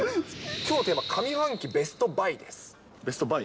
きょうのテーマ、上半期ベスベストバイ？